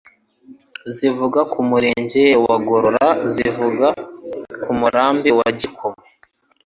Zivuga ku murenge wa GororaZivuga ku Murambi wa Gikoma